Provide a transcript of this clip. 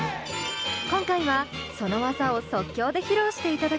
今回はその技を即興で披露していただきます。